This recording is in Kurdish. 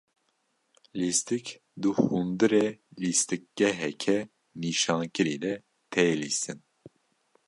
Lîstik di hundirê lîstikgeheke nîşankirî de, tê lîstin.